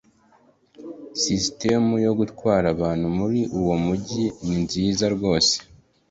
Sisitemu yo gutwara abantu muri uwo mujyi ni nziza rwose